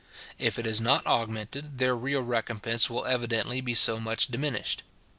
If it is not augmented, their real recompence will evidently be so much diminished.